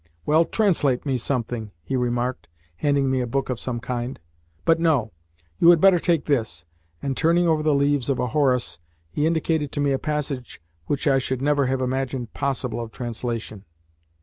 Well, translate me something," he remarked, handing me a book of some kind. "But no; you had better take this," and, turning over the leaves of a Horace, he indicated to me a passage which I should never have imagined possible of translation.